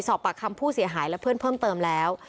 สอบปากคำผู้เสียหายและเพื่อนเพิ่มเติมแล้ว